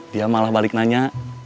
dia malah balik nanya